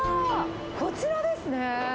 こちらですね。